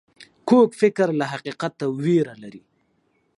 کوږ فکر له حقیقت ویره لري